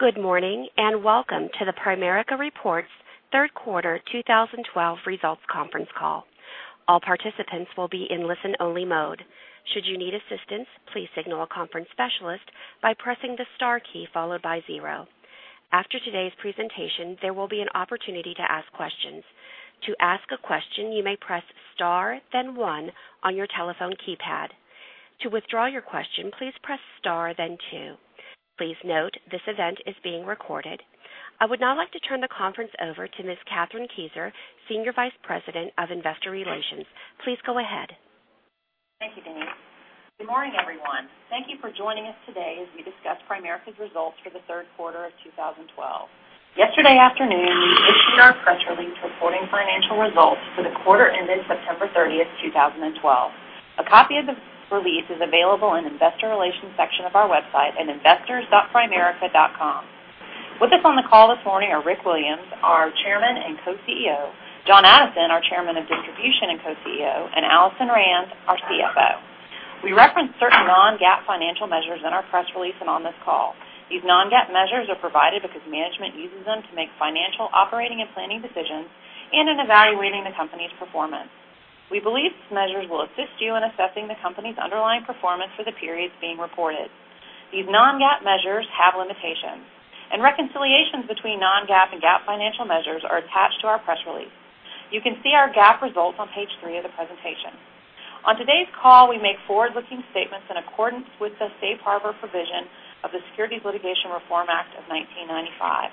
Good morning, welcome to the Primerica Reports Third Quarter 2012 Results Conference Call. All participants will be in listen only mode. Should you need assistance, please signal a conference specialist by pressing the star key followed by zero. After today's presentation, there will be an opportunity to ask questions. To ask a question, you may press star then one on your telephone keypad. To withdraw your question, please press star then two. Please note, this event is being recorded. I would now like to turn the conference over to Ms. Kathryn Kieser, Senior Vice President of Investor Relations. Please go ahead. Thank you, Denise. Good morning, everyone. Thank you for joining us today as we discuss Primerica's results for the third quarter of 2012. Yesterday afternoon, we issued our press release reporting financial results for the quarter ending September 30th, 2012. A copy of the release is available in the investor relations section of our website at investors.primerica.com. With us on the call this morning are Rick Williams, our Chairman and Co-CEO, John Addison, our Chairman of Distribution and Co-CEO, and Alison Rand, our CFO. We reference certain non-GAAP financial measures in our press release and on this call. These non-GAAP measures are provided because management uses them to make financial operating and planning decisions in evaluating the company's performance. We believe these measures will assist you in assessing the company's underlying performance for the periods being reported. These non-GAAP measures have limitations, and reconciliations between non-GAAP and GAAP financial measures are attached to our press release. You can see our GAAP results on page three of the presentation. On today's call, we make forward-looking statements in accordance with the safe harbor provision of the Private Securities Litigation Reform Act of 1995.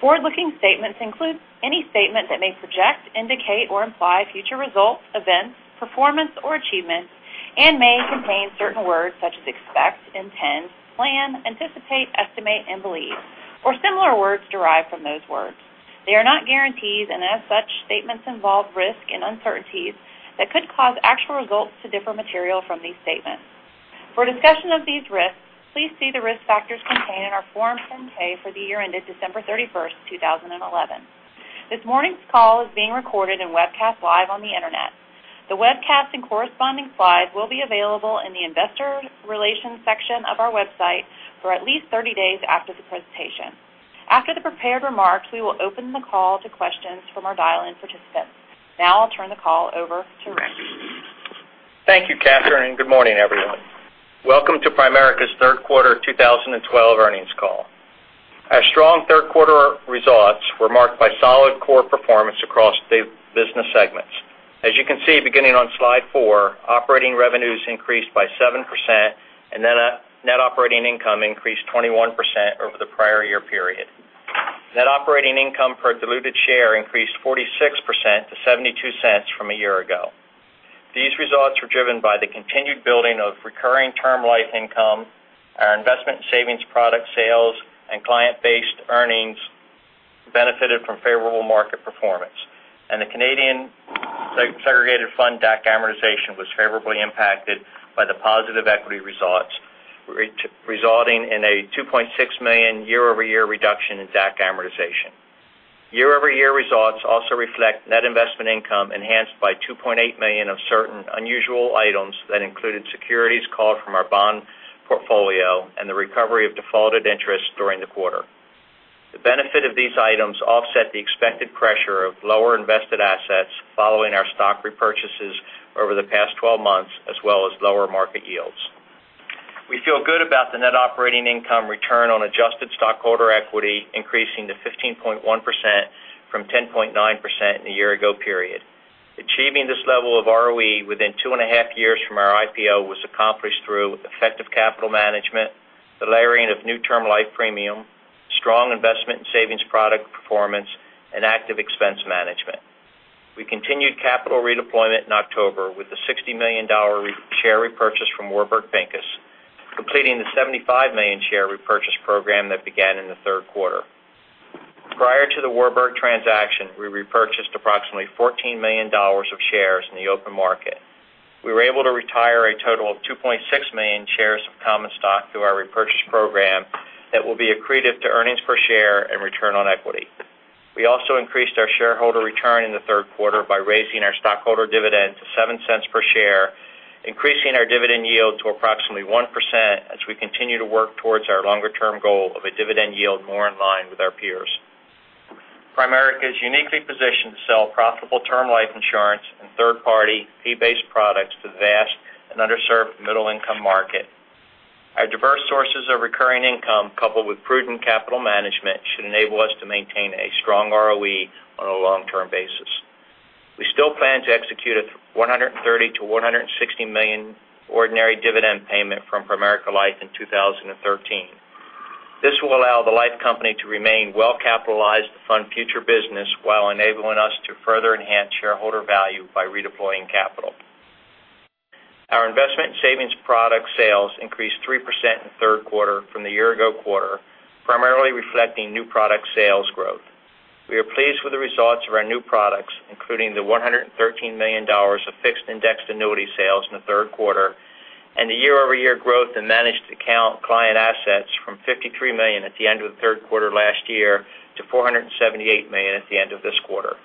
Forward-looking statements include any statement that may project, indicate, or imply future results, events, performance, or achievements and may contain certain words such as expect, intend, plan, anticipate, estimate, and believe, or similar words derived from those words. They are not guarantees, and as such, statements involve risk and uncertainties that could cause actual results to differ material from these statements. For a discussion of these risks, please see the risk factors contained in our Form 10-K for the year ended December 31st, 2011. This morning's call is being recorded and webcast live on the internet. The webcast and corresponding slides will be available in the investor relations section of our website for at least 30 days after the presentation. After the prepared remarks, we will open the call to questions from our dial-in participants. Now I'll turn the call over to Rick. Thank you, Kathryn, and good morning, everyone. Welcome to Primerica's third quarter 2012 earnings call. Our strong third quarter results were marked by solid core performance across the business segments. As you can see beginning on slide four, operating revenues increased by 7%, and net operating income increased 21% over the prior year period. Net operating income per diluted share increased 46% to $0.72 from a year ago. These results were driven by the continued building of recurring term life income, our investment savings product sales, and client-based earnings benefited from favorable market performance. The Canadian segregated fund DAC amortization was favorably impacted by the positive equity results, resulting in a $2.6 million year-over-year reduction in DAC amortization. Year-over-year results also reflect net investment income enhanced by $2.8 million of certain unusual items that included securities called from our bond portfolio and the recovery of defaulted interest during the quarter. The benefit of these items offset the expected pressure of lower invested assets following our stock repurchases over the past 12 months, as well as lower market yields. We feel good about the net operating income return on adjusted stockholder equity increasing to 15.1% from 10.9% in the year ago period. Achieving this level of ROE within two and a half years from our IPO was accomplished through effective capital management, the layering of new term life premium, strong investment and savings product performance, and active expense management. We continued capital redeployment in October with a $60 million share repurchase from Warburg Pincus, completing the $75 million share repurchase program that began in the third quarter. Prior to the Warburg transaction, we repurchased approximately $14 million of shares in the open market. We were able to retire a total of $2.6 million shares of common stock through our repurchase program that will be accretive to earnings per share and return on equity. We also increased our shareholder return in the third quarter by raising our stockholder dividend to $0.07 per share, increasing our dividend yield to approximately 1% as we continue to work towards our longer-term goal of a dividend yield more in line with our peers. Primerica is uniquely positioned to sell profitable term life insurance and third-party fee-based products to the vast and underserved middle income market. Our diverse sources of recurring income, coupled with prudent capital management, should enable us to maintain a strong ROE on a long-term basis. We still plan to execute a $130 million-$160 million ordinary dividend payment from Primerica Life in 2013. This will allow the life company to remain well-capitalized to fund future business while enabling us to further enhance shareholder value by redeploying capital. Our investment and savings product sales increased 3% in the third quarter from the year-ago quarter, primarily reflecting new product sales growth. We are pleased with the results of our new products, including the $113 million of fixed indexed annuity sales in the third quarter and the year-over-year growth in managed account client assets from $53 million at the end of the third quarter last year to $478 million at the end of this quarter.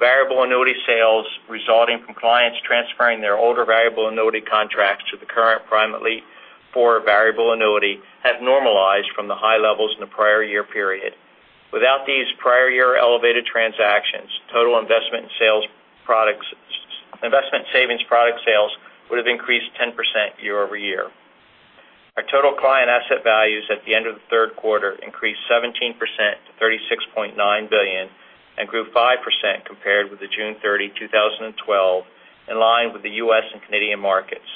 Variable annuity sales transferring their older variable annuity contracts to the current Prime Elite 4 variable annuity has normalized from the high levels in the prior year period. Without these prior year elevated transactions, total investment and savings product sales would have increased 10% year-over-year. Our total client asset values at the end of the third quarter increased 17% to $36.9 billion and grew 5% compared with the June 30, 2012, in line with the U.S. and Canadian markets.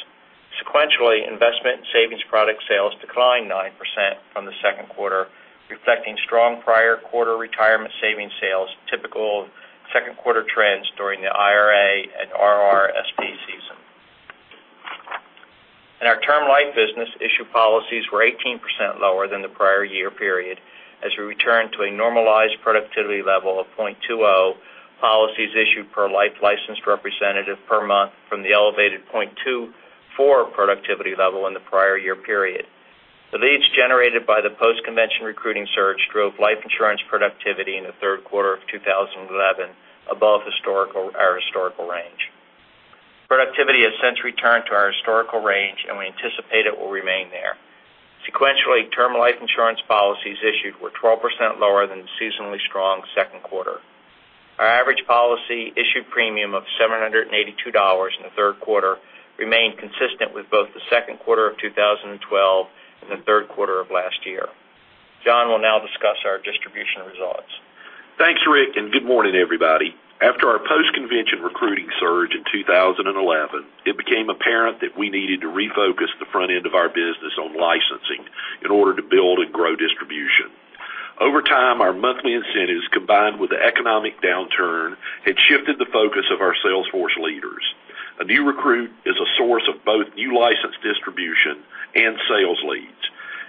Sequentially, investment and savings product sales declined 9% from the second quarter, reflecting strong prior quarter retirement savings sales, typical second quarter trends during the IRA and RRSP season. In our term life business, issue policies were 18% lower than the prior year period, as we return to a normalized productivity level of 0.20 policies issued per life licensed representative per month from the elevated 0.24 productivity level in the prior year period. The leads generated by the post-convention recruiting surge drove life insurance productivity in the third quarter of 2011 above our historical range. Productivity has since returned to our historical range, and we anticipate it will remain there. Sequentially, term life insurance policies issued were 12% lower than the seasonally strong second quarter. Our average policy issue premium of $782 in the third quarter remained consistent with both the second quarter of 2012 and the third quarter of last year. John will now discuss our distribution results. Thanks, Rick, and good morning, everybody. After our post-convention recruiting surge in 2011, it became apparent that we needed to refocus the front end of our business on licensing in order to build and grow distribution. Over time, our monthly incentives, combined with the economic downturn, had shifted the focus of our sales force leaders. A new recruit is a source of both new license distribution and sales leads.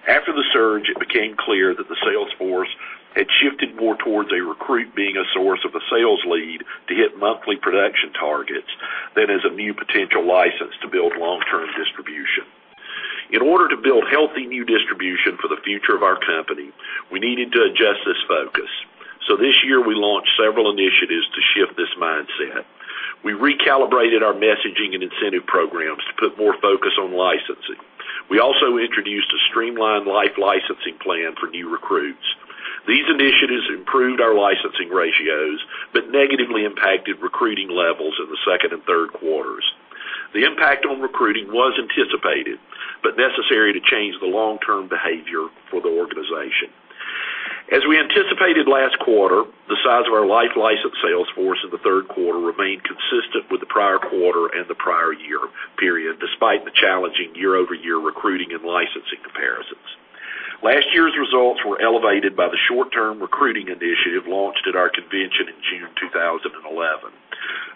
After the surge, it became clear that the sales force had shifted more towards a recruit being a source of a sales lead to hit monthly production targets than as a new potential license to build long-term distribution. In order to build healthy new distribution for the future of our company, we needed to adjust this focus. This year, we launched several initiatives to shift this mindset. We recalibrated our messaging and incentive programs to put more focus on licensing. We also introduced a streamlined life licensing plan for new recruits. These initiatives improved our licensing ratios but negatively impacted recruiting levels in the second and third quarters. The impact on recruiting was anticipated but necessary to change the long-term behavior for the organization. As we anticipated last quarter, the size of our life license sales force in the third quarter remained consistent with the prior quarter and the prior year period, despite the challenging year-over-year recruiting and licensing comparisons. Last year's results were elevated by the short-term recruiting initiative launched at our convention in June 2011.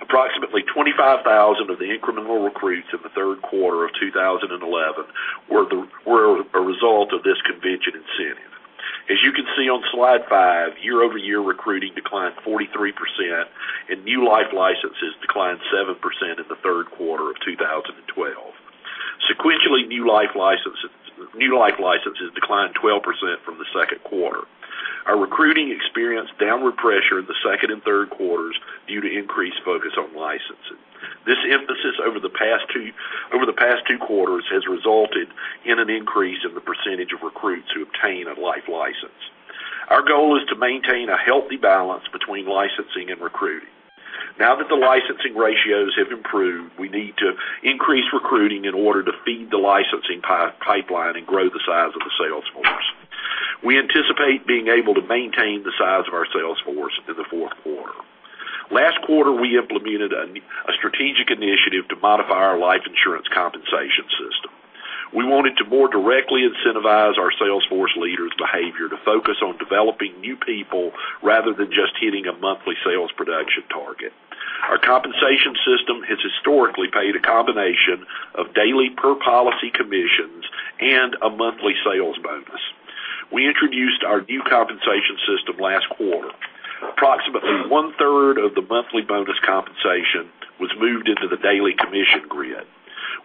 Approximately 25,000 of the incremental recruits in the third quarter of 2011 were a result of this convention incentive. As you can see on slide five, year-over-year recruiting declined 43%, and new life licenses declined 7% in the third quarter of 2012. Sequentially, new life licenses declined 12% from the second quarter. Our recruiting experienced downward pressure in the second and third quarters due to increased focus on licensing. This emphasis over the past two quarters has resulted in an increase in the percentage of recruits who obtain a life license. Our goal is to maintain a healthy balance between licensing and recruiting. Now that the licensing ratios have improved, we need to increase recruiting in order to feed the licensing pipeline and grow the size of the sales force. We anticipate being able to maintain the size of our sales force into the fourth quarter. Last quarter, we implemented a strategic initiative to modify our life insurance compensation system. We wanted to more directly incentivize our sales force leaders' behavior to focus on developing new people rather than just hitting a monthly sales production target. Our compensation system has historically paid a combination of daily per policy commissions and a monthly sales bonus. We introduced our new compensation system last quarter. Approximately one-third of the monthly bonus compensation was moved into the daily commission grid.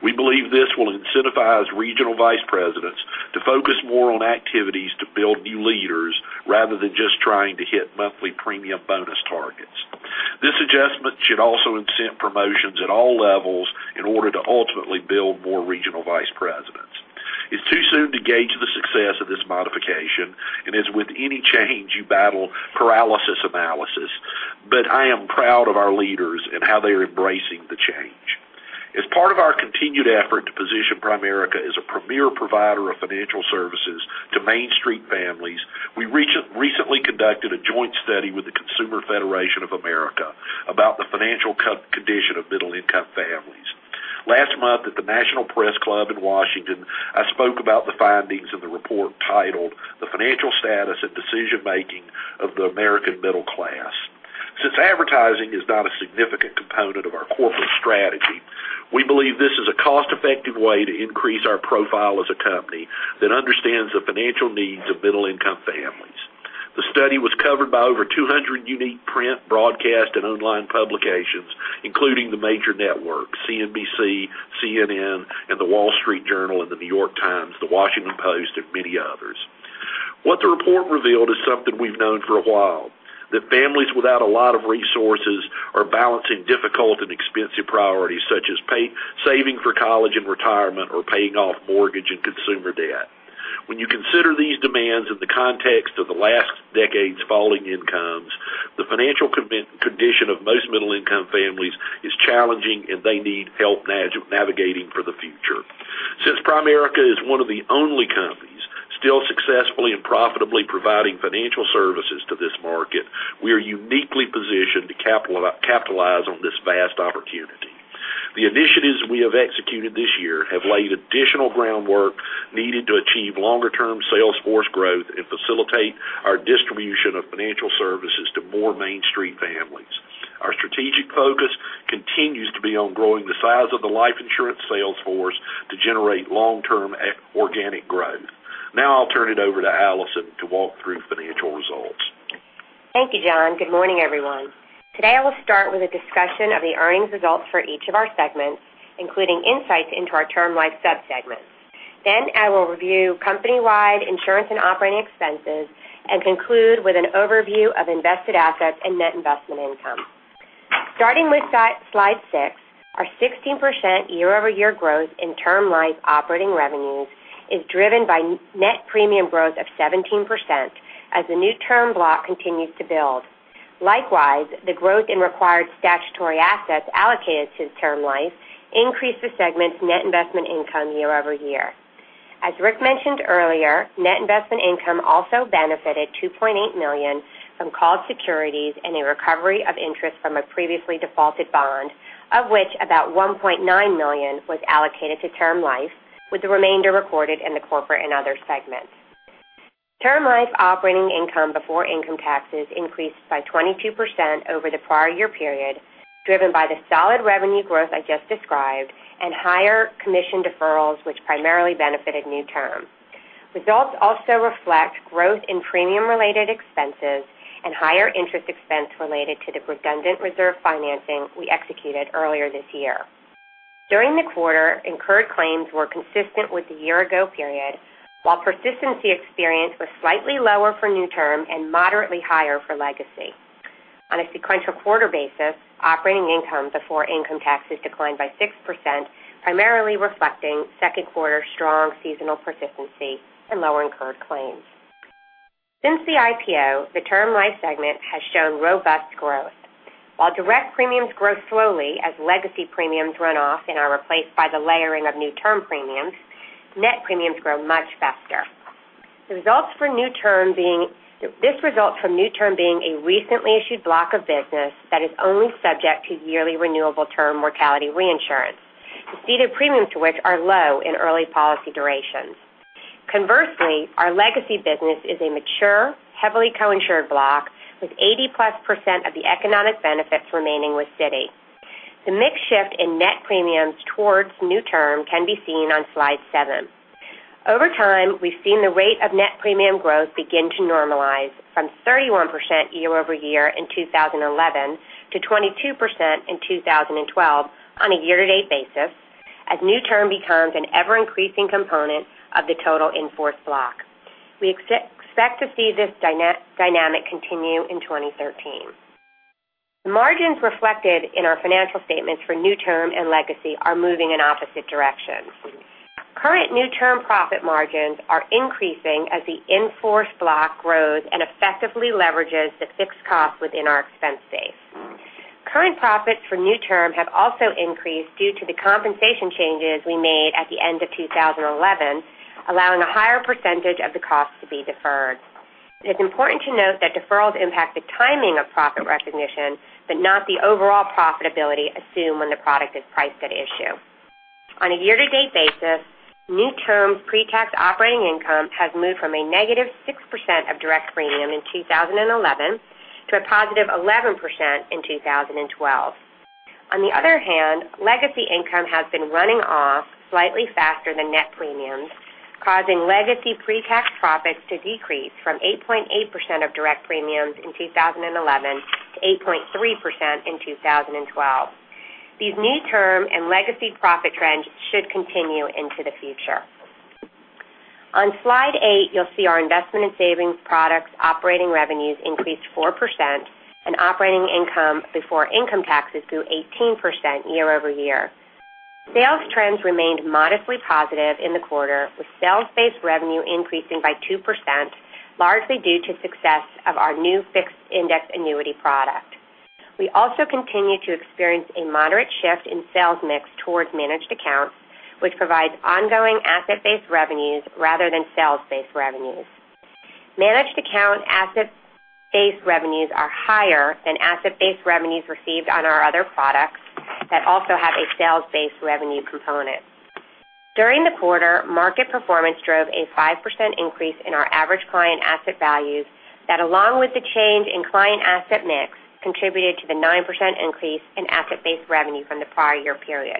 We believe this will incentivize regional vice presidents to focus more on activities to build new leaders rather than just trying to hit monthly premium bonus targets. This adjustment should also incent promotions at all levels in order to ultimately build more regional vice presidents. It's too soon to gauge the success of this modification, and as with any change, you battle paralysis analysis. I am proud of our leaders and how they are embracing the change. As part of our continued effort to position Primerica as a premier provider of financial services to Main Street families, we recently conducted a joint study with the Consumer Federation of America about the financial condition of middle-income families. Last month at the National Press Club in Washington, I spoke about the findings of the report titled "The Financial Status and Decision-Making of the American Middle Class." Since advertising is not a significant component of our corporate strategy, we believe this is a cost-effective way to increase our profile as a company that understands the financial needs of middle-income families. The study was covered by over 200 unique print, broadcast, and online publications, including the major networks, CNBC, CNN, and The Wall Street Journal and The New York Times, The Washington Post, and many others. What the report revealed is something we've known for a while, that families without a lot of resources are balancing difficult and expensive priorities such as saving for college and retirement or paying off mortgage and consumer debt. When you consider these demands in the context of the last decade's falling incomes, the financial condition of most middle-income families is challenging, and they need help navigating for the future. Since Primerica is one of the only companies still successfully and profitably providing financial services to this market, we are uniquely positioned to capitalize on this vast opportunity. The initiatives we have executed this year have laid additional groundwork needed to achieve longer-term sales force growth and facilitate our distribution of financial services to more Main Street families. Our strategic focus continues to be on growing the size of the life insurance sales force to generate long-term organic growth. Now I'll turn it over to Alison to walk through financial results. Thank you, John. Good morning, everyone. Today, I will start with a discussion of the earnings results for each of our segments, including insights into our Term Life sub-segments. I will review company-wide insurance and operating expenses and conclude with an overview of invested assets and net investment income. Starting with slide six, our 16% year-over-year growth in Term Life operating revenues is driven by net premium growth of 17% as the new term block continues to build. Likewise, the growth in required statutory assets allocated to Term Life increased the segment's net investment income year-over-year. As Rick mentioned earlier, net investment income also benefited $2.8 million from called securities and a recovery of interest from a previously defaulted bond, of which about $1.9 million was allocated to Term Life, with the remainder recorded in the Corporate and Other segments. Term Life operating income before income taxes increased by 22% over the prior year period, driven by the solid revenue growth I just described and higher commission deferrals, which primarily benefited new term. Results also reflect growth in premium-related expenses and higher interest expense related to the redundant reserve financing we executed earlier this year. During the quarter, incurred claims were consistent with the year-ago period, while persistency experience was slightly lower for new term and moderately higher for legacy. On a sequential quarter basis, operating income before income taxes declined by 6%, primarily reflecting second quarter strong seasonal persistency and lower incurred claims. Since the IPO, the Term Life segment has shown robust growth. While direct premiums grow slowly as legacy premiums run off and are replaced by the layering of new term premiums, net premiums grow much faster. This results from new term being a recently issued block of business that is only subject to yearly renewable term mortality reinsurance, the ceded premiums to which are low in early policy durations. Conversely, our legacy business is a mature, heavily co-insured block with 80-plus% of the economic benefits remaining with Citi. The mix shift in net premiums towards new term can be seen on slide seven. Over time, we've seen the rate of net premium growth begin to normalize from 31% year-over-year in 2011 to 22% in 2012 on a year-to-date basis, as new term becomes an ever-increasing component of the total in-force block. We expect to see this dynamic continue in 2013. The margins reflected in our financial statements for new term and legacy are moving in opposite directions. Current new term profit margins are increasing as the in-force block grows and effectively leverages the fixed cost within our expense base. Current profits for new term have also increased due to the compensation changes we made at the end of 2011, allowing a higher percentage of the cost to be deferred. It is important to note that deferrals impact the timing of profit recognition, but not the overall profitability assumed when the product is priced at issue. On a year-to-date basis, new term pretax operating income has moved from a negative 6% of direct premium in 2011 to a positive 11% in 2012. On the other hand, legacy income has been running off slightly faster than net premiums, causing legacy pretax profits to decrease from 8.8% of direct premiums in 2011 to 8.3% in 2012. These new term and legacy profit trends should continue into the future. On slide eight, you'll see our Investment & Savings products operating revenues increased 4% and operating income before income taxes grew 18% year-over-year. Sales trends remained modestly positive in the quarter, with sales-based revenue increasing by 2%, largely due to success of our new fixed indexed annuity product. We also continued to experience a moderate shift in sales mix towards managed accounts, which provides ongoing asset-based revenues rather than sales-based revenues. Managed account asset-based revenues are higher than asset-based revenues received on our other products that also have a sales-based revenue component. During the quarter, market performance drove a 5% increase in our average client asset values that, along with the change in client asset mix, contributed to the 9% increase in asset-based revenue from the prior year period.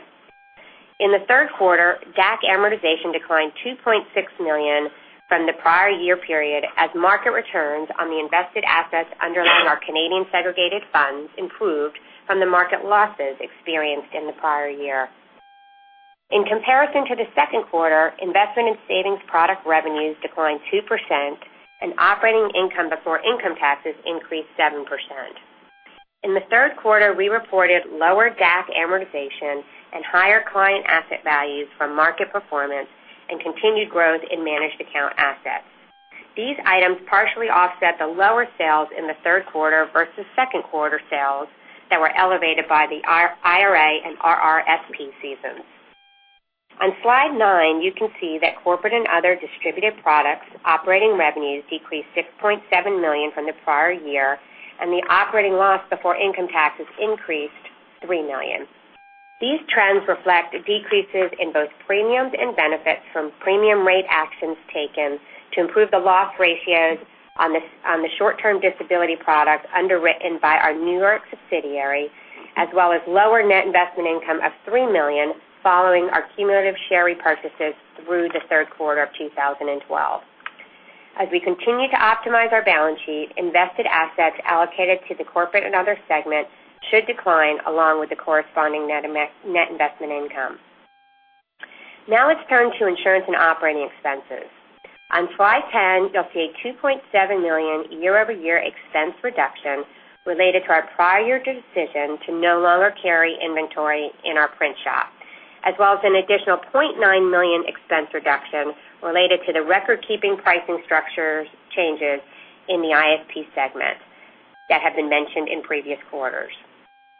In the third quarter, DAC amortization declined $2.6 million from the prior year period as market returns on the invested assets underlying our Canadian segregated funds improved from the market losses experienced in the prior year. In comparison to the second quarter, investment and savings product revenues declined 2%, and operating income before income taxes increased 7%. In the third quarter, we reported lower DAC amortization and higher client asset values from market performance and continued growth in managed account assets. These items partially offset the lower sales in the third quarter versus second quarter sales that were elevated by the IRA and RRSP seasons. On slide nine, you can see that Corporate and Other Distributed Products operating revenues decreased $6.7 million from the prior year, and the operating loss before income taxes increased $3 million. These trends reflect decreases in both premiums and benefits from premium rate actions taken to improve the loss ratios on the short-term disability product underwritten by our N.Y. subsidiary, as well as lower net investment income of $3 million following our cumulative share repurchases through the third quarter of 2012. As we continue to optimize our balance sheet, invested assets allocated to the corporate and other segments should decline along with the corresponding net investment income. Now let's turn to insurance and operating expenses. On slide 10, you'll see a $2.7 million year-over-year expense reduction related to our prior decision to no longer carry inventory in our print shop, as well as an additional $0.9 million expense reduction related to the record-keeping pricing structure changes in the ISP segment that have been mentioned in previous quarters.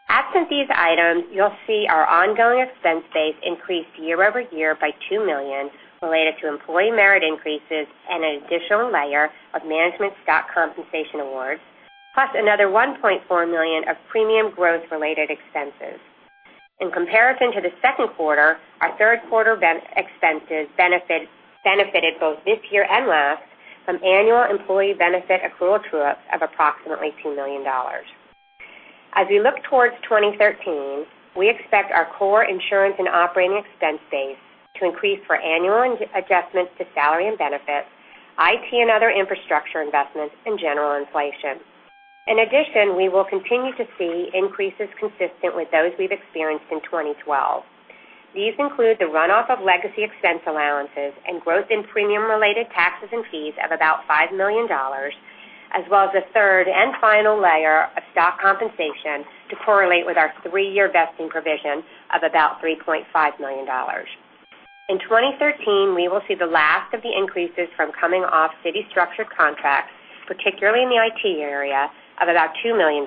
Absent these items, you'll see our ongoing expense base increased year-over-year by $2 million related to employee merit increases and an additional layer of management stock compensation awards, plus another $1.4 million of premium growth-related expenses. In comparison to the second quarter, our third quarter expenses benefited both this year and last from annual employee benefit accrual true-up of approximately $2 million. As we look towards 2013, we expect our core insurance and operating expense base to increase for annual adjustments to salary and benefits, IT and other infrastructure investments, and general inflation. In addition, we will continue to see increases consistent with those we've experienced in 2012. These include the runoff of legacy expense allowances and growth in premium-related taxes and fees of about $5 million, as well as a third and final layer of stock compensation to correlate with our three-year vesting provision of about $3.5 million. In 2013, we will see the last of the increases from coming off Citi structured contracts, particularly in the IT area, of about $2 million.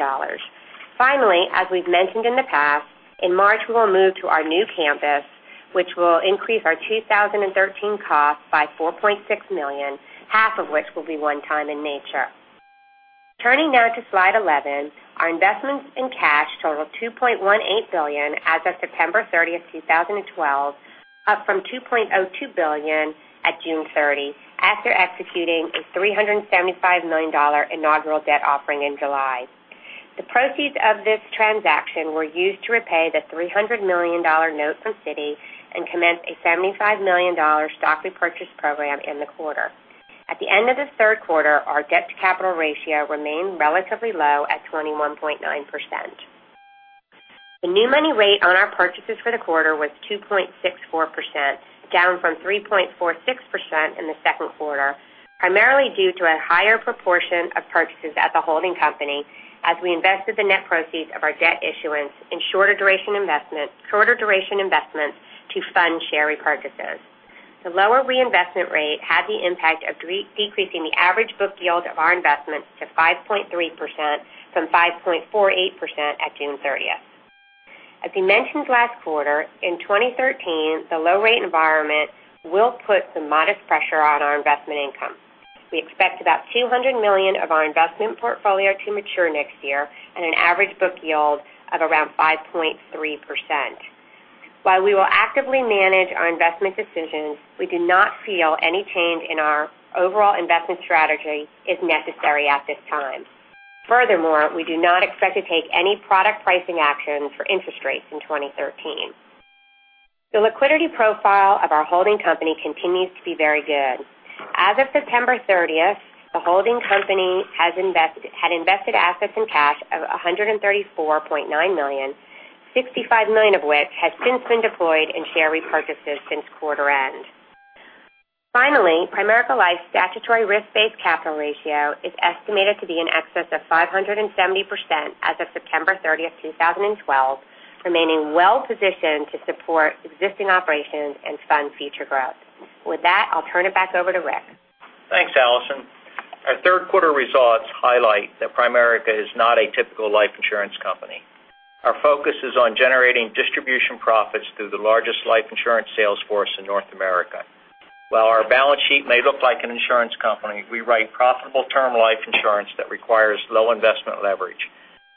Finally, as we've mentioned in the past, in March, we will move to our new campus, which will increase our 2013 cost by $4.6 million, half of which will be one-time in nature. Turning now to slide 11. Our investments in cash total $2.18 billion as of September 30th, 2012, up from $2.02 billion at June 30, after executing a $375 million inaugural debt offering in July. The proceeds of this transaction were used to repay the $300 million note from Citi and commence a $75 million stock repurchase program in the quarter. At the end of the third quarter, our debt-to-capital ratio remained relatively low at 21.9%. The new money rate on our purchases for the quarter was 2.64%, down from 3.46% in the second quarter, primarily due to a higher proportion of purchases at the holding company as we invested the net proceeds of our debt issuance in shorter duration investments to fund share repurchases. The lower reinvestment rate had the impact of decreasing the average book yield of our investments to 5.3% from 5.48% at June 30th. As we mentioned last quarter, in 2013, the low-rate environment will put some modest pressure on our investment income. We expect about $200 million of our investment portfolio to mature next year and an average book yield of around 5.3%. While we will actively manage our investment decisions, we do not feel any change in our overall investment strategy is necessary at this time. Furthermore, we do not expect to take any product pricing action for interest rates in 2013. The liquidity profile of our holding company continues to be very good. As of September 30th, the holding company had invested assets and cash of $134.9 million, $65 million of which has since been deployed in share repurchases since quarter end. Finally, Primerica Life's statutory risk-based capital ratio is estimated to be in excess of 570% as of September 30th, 2012, remaining well-positioned to support existing operations and fund future growth. With that, I'll turn it back over to Rick. Thanks, Alison. Our third quarter results highlight that Primerica is not a typical life insurance company. Our focus is on generating distribution profits through the largest life insurance sales force in North America. While our balance sheet may look like an insurance company, we write profitable term life insurance that requires low investment leverage.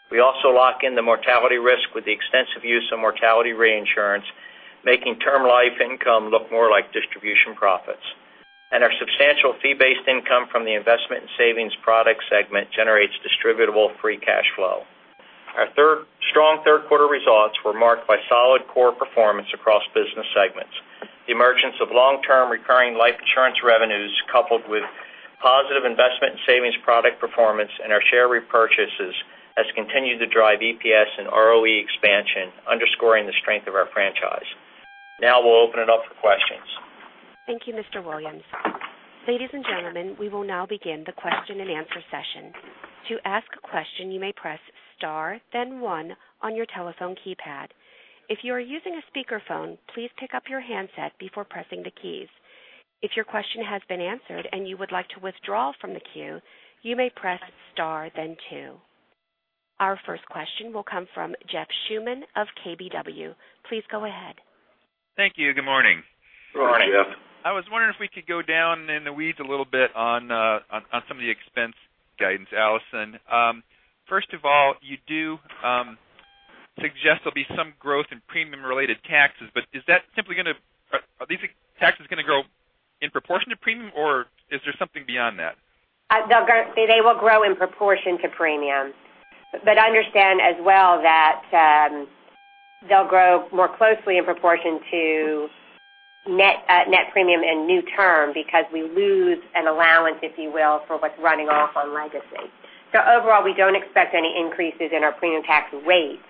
We also lock in the mortality risk with the extensive use of mortality reinsurance, making term life income look more like distribution profits. Our substantial fee-based income from the investment and savings product segment generates distributable free cash flow. Our strong third quarter results were marked by solid core performance across business segments. The emergence of long-term recurring life insurance revenues, coupled with positive investment and savings product performance and our share repurchases, has continued to drive EPS and ROE expansion, underscoring the strength of our franchise. We'll open it up for questions. Thank you, Mr. Williams. Ladies and gentlemen, we will now begin the question and answer session. To ask a question, you may press star then 1 on your telephone keypad. If you are using a speakerphone, please pick up your handset before pressing the keys. If your question has been answered and you would like to withdraw from the queue, you may press star then 2. Our first question will come from Jeff Schuman of KBW. Please go ahead. Thank you. Good morning. Good morning, Jeff. I was wondering if we could go down in the weeds a little bit on some of the expense guidance, Alison. First of all, you do suggest there will be some growth in premium-related taxes, are these taxes going to grow in proportion to premium, or is there something beyond that? They will grow in proportion to premium. Understand as well that they'll grow more closely in proportion to net premium and new term, because we lose an allowance, if you will, for what's running off on legacy. Overall, we don't expect any increases in our premium tax rates.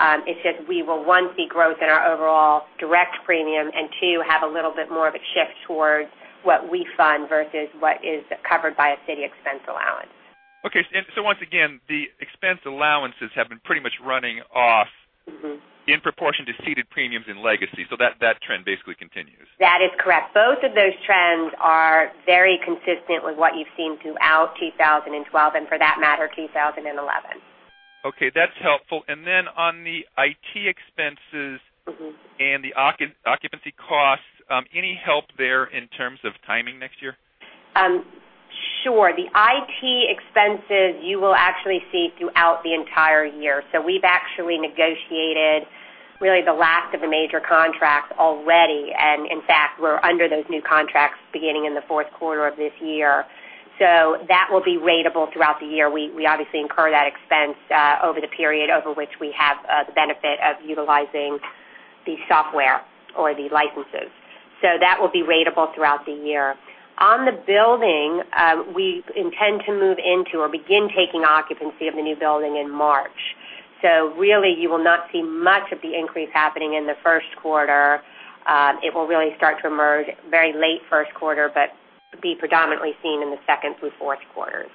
It's just, we will, one, see growth in our overall direct premium and two, have a little bit more of a shift towards what we fund versus what is covered by a ceded expense allowance. Okay. Once again, the expense allowances have been pretty much running off In proportion to ceded premiums and legacy. That trend basically continues. That is correct. Both of those trends are very consistent with what you've seen throughout 2012, and for that matter, 2011. Okay, that's helpful. On the IT expenses- The occupancy costs, any help there in terms of timing next year? Sure. The IT expenses, you will actually see throughout the entire year. We've actually negotiated really the last of the major contracts already, and in fact, we're under those new contracts beginning in the fourth quarter of this year. That will be ratable throughout the year. We obviously incur that expense over the period over which we have the benefit of utilizing the software or the licenses. That will be ratable throughout the year. On the building, we intend to move into or begin taking occupancy of the new building in March. You will not see much of the increase happening in the first quarter. It will really start to emerge very late first quarter, but be predominantly seen in the second through fourth quarters.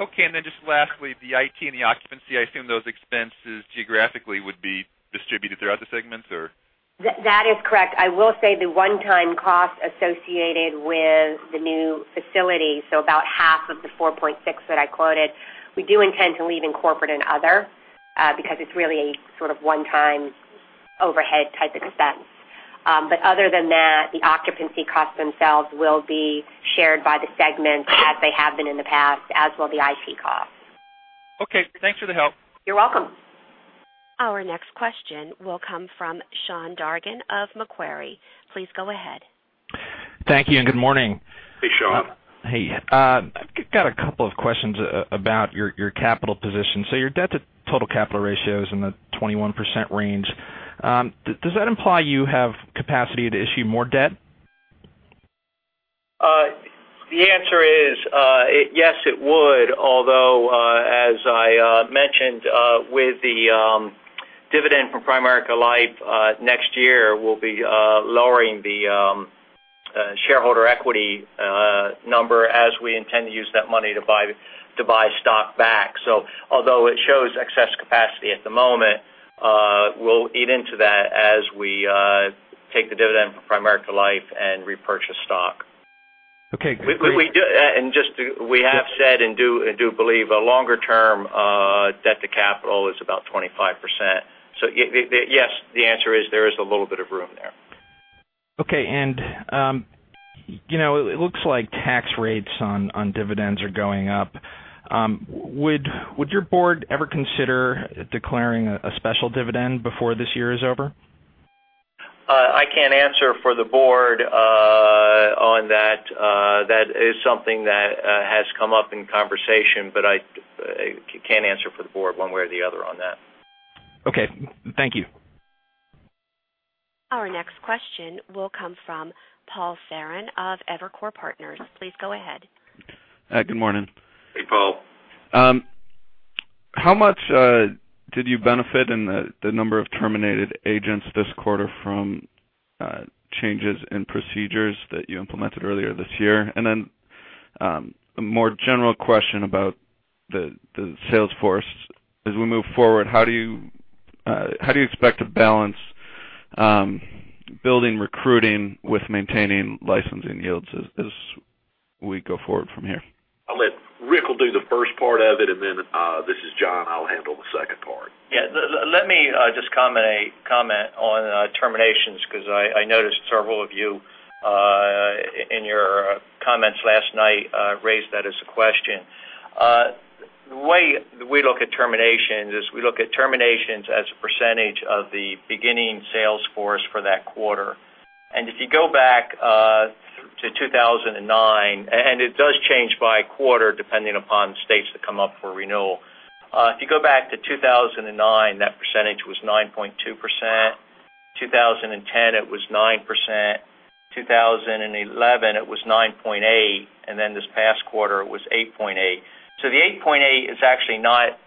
Okay, then just lastly, the IT and the occupancy, I assume those expenses geographically would be distributed throughout the segments, or? That is correct. I will say the one-time cost associated with the new facility, so about half of the $4.6 that I quoted, we do intend to leave in corporate and other because it's really sort of one-time overhead type expense. Other than that, the occupancy costs themselves will be shared by the segments as they have been in the past, as will the IT costs. Okay, thanks for the help. You're welcome. Our next question will come from Sean Dargan of Macquarie. Please go ahead. Thank you, good morning. Hey, Sean. Hey. I've got a couple of questions about your capital position. Your debt to total capital ratio is in the 21% range. Does that imply you have capacity to issue more debt? The answer is yes, it would, although, as I mentioned, with the dividend from Primerica Life next year, we'll be lowering the shareholder equity number as we intend to use that money to buy stock back. Although it shows excess capacity at the moment, we'll eat into that as we take the dividend from Primerica Life and repurchase stock. Okay, great. Just, we have said and do believe a longer-term debt to capital is about 25%. Yes, the answer is there is a little bit of room there. Okay. It looks like tax rates on dividends are going up. Would your board ever consider declaring a special dividend before this year is over? I can't answer for the board on that. That is something that has come up in conversation, I can't answer for the board one way or the other on that. Okay. Thank you. Our next question will come from Paul Ferran of Evercore Partners. Please go ahead. Good morning. Hey, Paul. How much did you benefit in the number of terminated agents this quarter from changes in procedures that you implemented earlier this year? A more general question about the sales force. As we move forward, how do you expect to balance building recruiting with maintaining licensing yields as we go forward from here? I'll let Rick do the first part of it, and then, this is John, I'll handle the second part. Let me just comment on terminations, because I noticed several of you in your comments last night raised that as a question. The way we look at terminations is we look at terminations as a percentage of the beginning sales force for that quarter. If you go back It does change by quarter depending upon the states that come up for renewal. If you go back to 2009, that percentage was 9.2%. 2010, it was 9%. 2011, it was 9.8%, and then this past quarter it was 8.8%. The 8.8% is actually not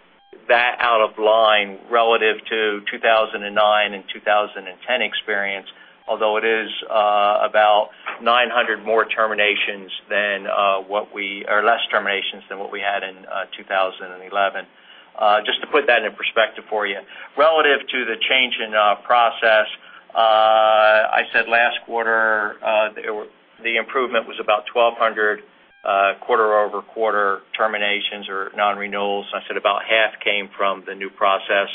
that out of line relative to 2009 and 2010 experience, although it is about 900 less terminations than what we had in 2011. Just to put that into perspective for you. Relative to the change in process, I said last quarter, the improvement was about 1,200 quarter-over-quarter terminations or non-renewals. I said about half came from the new process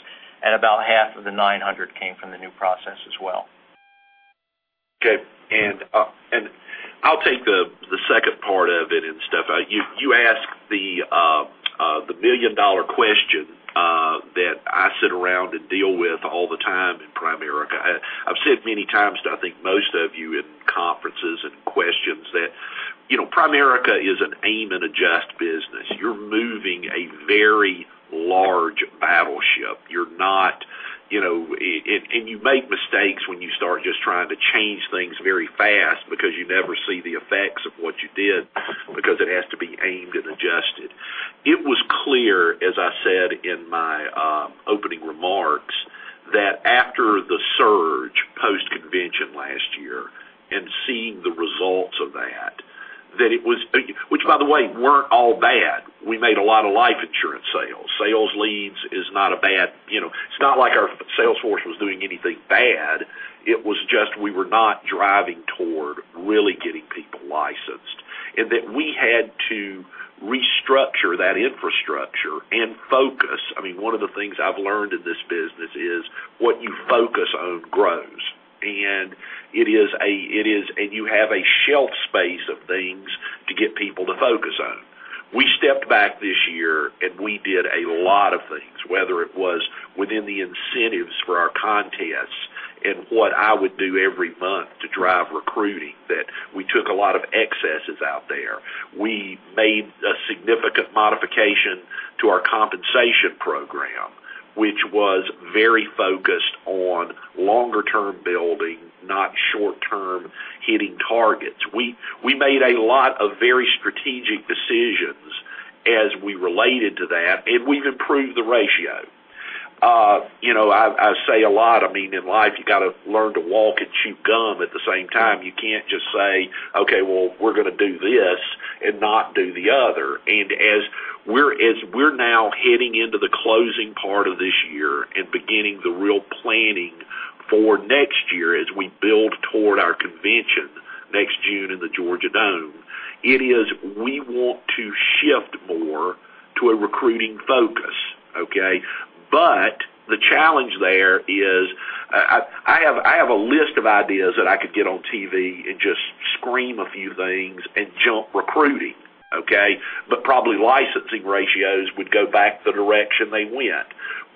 and about half of the 900 came from the new process as well. Okay. I'll take the second part of it and stuff. You asked the billion-dollar question that I sit around and deal with all the time in Primerica. I've said many times to, I think, most of you in conferences and questions that Primerica is an aim and adjust business. You're moving a very large battleship. You make mistakes when you start just trying to change things very fast because you never see the effects of what you did because it has to be aimed and adjusted. It was clear, as I said in my opening remarks, that after the surge post-convention last year and seeing the results of that, which by the way, weren't all bad. We made a lot of life insurance sales. Sales leads is not bad. It's not like our sales force was doing anything bad. It was just we were not driving toward really getting people licensed, that we had to restructure that infrastructure and focus. One of the things I've learned in this business is what you focus on grows. You have a shelf space of things to get people to focus on. We stepped back this year, we did a lot of things, whether it was within the incentives for our contests and what I would do every month to drive recruiting, that we took a lot of excesses out there. We made a significant modification to our compensation program, which was very focused on longer term building, not short term hitting targets. We made a lot of very strategic decisions as we related to that, we've improved the ratio. I say a lot, in life, you've got to learn to walk and chew gum at the same time. You can't just say, "Okay, well, we're going to do this and not do the other." As we're now heading into the closing part of this year and beginning the real planning for next year as we build toward our convention next June in the Georgia Dome, it is we want to shift more to a recruiting focus, okay? The challenge there is, I have a list of ideas that I could get on TV and just scream a few things and jump recruiting, okay? Probably licensing ratios would go back the direction they went.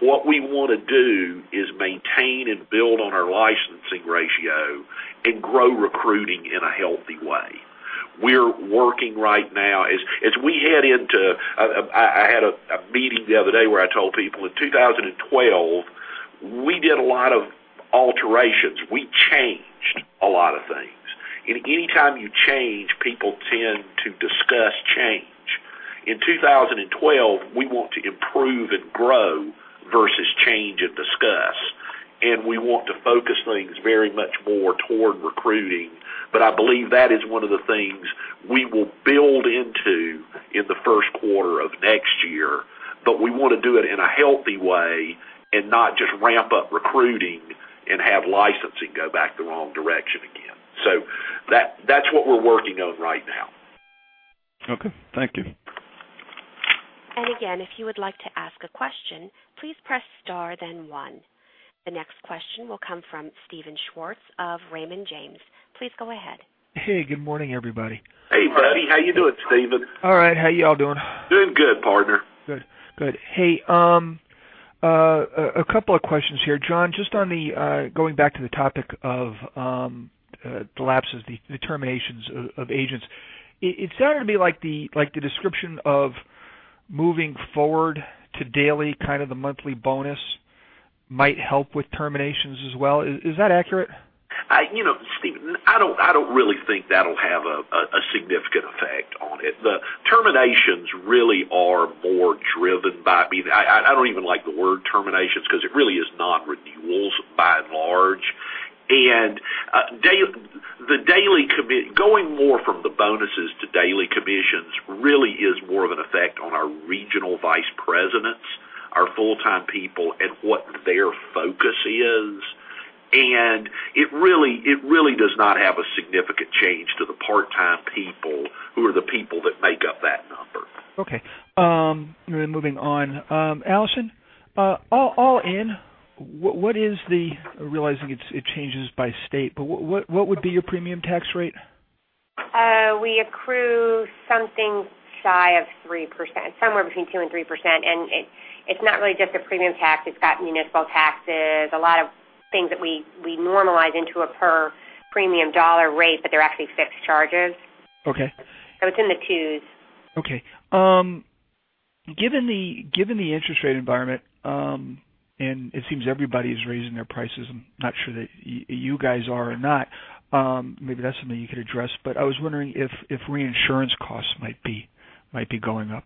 What we want to do is maintain and build on our licensing ratio and grow recruiting in a healthy way. We're working right now. I had a meeting the other day where I told people, in 2012, we did a lot of alterations. We changed a lot of things. Anytime you change, people tend to discuss change. In 2012, we want to improve and grow versus change and discuss, we want to focus things very much more toward recruiting. I believe that is one of the things we will build into in the first quarter of next year. We want to do it in a healthy way and not just ramp up recruiting and have licensing go back the wrong direction again. That's what we're working on right now. Okay. Thank you. Again, if you would like to ask a question, please press star then one. The next question will come from Steven Schwartz of Raymond James. Please go ahead. Hey, good morning, everybody. Hey, buddy. How you doing, Steven? All right. How y'all doing? Doing good, partner. Good. A couple of questions here. John, just going back to the topic of the lapses, the terminations of agents. It sounded to me like the description of moving forward to daily, kind of the monthly bonus might help with terminations as well. Is that accurate? Steven, I don't really think that'll have a significant effect on it. The terminations really are more driven by I don't even like the word terminations because it really is non-renewals by and large. Going more from the bonuses to daily commissions really is more of an effect on our regional vice presidents, our full-time people, and what their focus is. It really does not have a significant change to the part-time people who are the people that make up that number. Okay. Moving on. Alison, all in, realizing it changes by state, but what would be your premium tax rate? We accrue something shy of 3%, somewhere between 2% and 3%. It's not really just a premium tax. It's got municipal taxes, a lot of things that we normalize into a per premium dollar rate, but they're actually fixed charges. Okay. It's in the twos. Okay. Given the interest rate environment, it seems everybody's raising their prices. I'm not sure that you guys are or not. Maybe that's something you could address, I was wondering if reinsurance costs might be going up.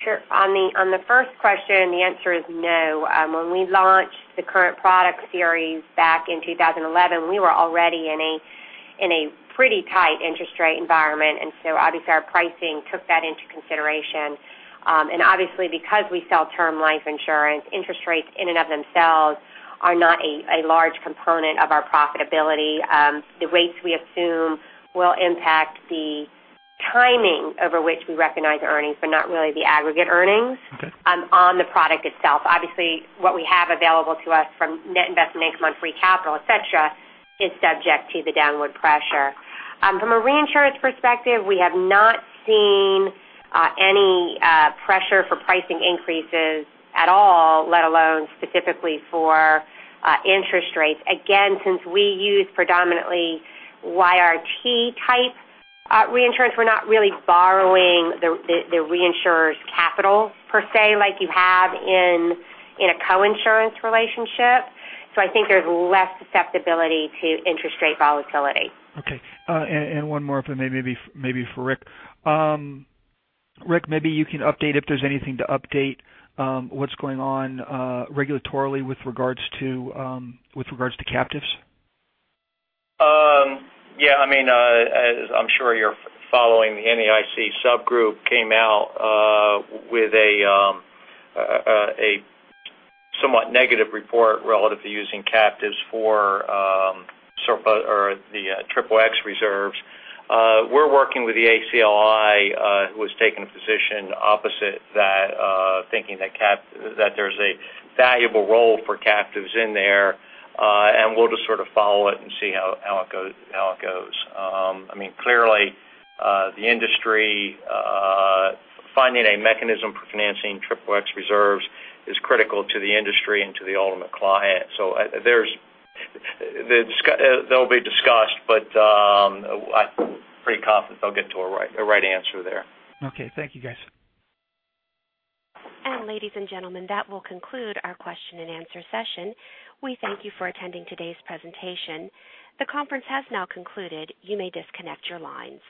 Sure. On the first question, the answer is no. When we launched the current product series back in 2011, we were already in a pretty tight interest rate environment. Obviously, our pricing took that into consideration. Obviously, because we sell term life insurance, interest rates in and of themselves are not a large component of our profitability. The rates we assume will impact the timing over which we recognize earnings, but not really the aggregate earnings- Okay on the product itself. Obviously, what we have available to us from net investment income on free capital, et cetera, is subject to the downward pressure. From a reinsurance perspective, we have not seen any pressure for pricing increases at all, let alone specifically for interest rates. Again, since we use predominantly YRT type reinsurance, we're not really borrowing the reinsurer's capital per se like you have in a coinsurance relationship. I think there's less susceptibility to interest rate volatility. Okay. One more, maybe for Rick. Rick, maybe you can update if there's anything to update what's going on regulatorily with regards to captives. Yeah. As I'm sure you're following, the NAIC subgroup came out with a somewhat negative report relative to using captives for the XXX reserves. We're working with the ACLI, who has taken a position opposite that, thinking that there's a valuable role for captives in there. We'll just sort of follow it and see how it goes. Clearly, the industry finding a mechanism for financing XXX reserves is critical to the industry and to the ultimate client. They'll be discussed, but I'm pretty confident they'll get to a right answer there. Okay. Thank you, guys. Ladies and gentlemen, that will conclude our question and answer session. We thank you for attending today's presentation. The conference has now concluded. You may disconnect your lines.